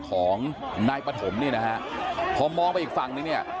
ของนายปฐมเนี่ยนะฮะพอมองไปอีกฝั่งนึงเนี่ย